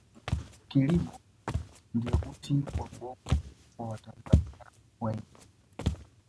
kilimo ndiyo uti wa mgongo wa watanzania wengi